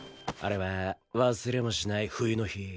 あれは忘れもしない冬の日。